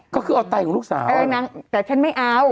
ก็คือเอาไตของลูกสาวแต่ฉันไม่เอา